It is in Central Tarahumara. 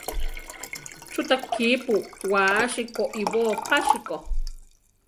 Chú ta kípu wási koʼibóo pásiko?